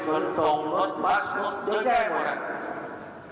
ผมพร้อมให้ทำทุกอย่างล่ะครับแต่ทุกคนขาดเฟื่อผมรีบไปแก้ทั้งหมดนี้